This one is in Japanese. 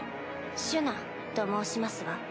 シュナと申しますわ。